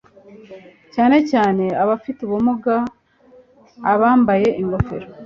cyane cyane abafite ubumuga abambaye ingofero